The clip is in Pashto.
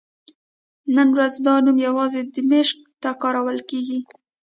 نن ورځ دا نوم یوازې دمشق ته کارول کېږي.